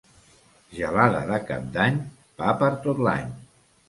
Gelada de Cap d'Any, pa per tot l'any.